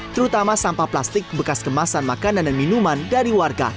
terutama sampah plastik bekas kemasan makanan dan minuman dari warga